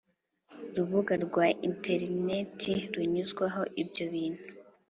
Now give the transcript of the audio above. Rubuga rwa interineti runyuzwaho ibyo bintu